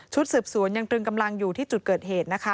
สืบสวนยังตรึงกำลังอยู่ที่จุดเกิดเหตุนะคะ